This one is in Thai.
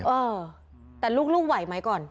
เออแต่ลูกไหวไหมก่อน